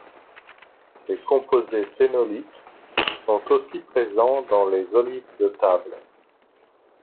Ces composés phénoliques sont aussi présents dans les olives de table.